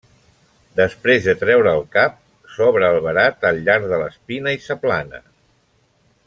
Després de treure el cap, s'obre el verat al llarg de l'espina i s'aplana.